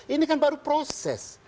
ini kan baru proses